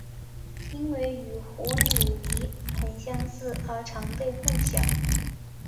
因为与湖拟鲤很相似而常被混淆。